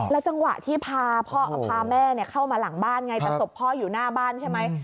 จังหวะที่พาแม่เข้ามาหลังบ้านไงแต่ศพพ่ออยู่หน้าบ้านใช่ไหม